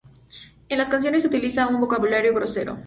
En las canciones utiliza un vocabulario grosero.